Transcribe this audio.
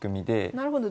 なるほど。